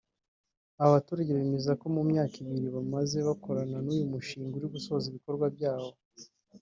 Aba baturage bemeza ko mu myaka ibiri bamaze bakorana n’uyu mushinga uri gusoza ibikorwa byawo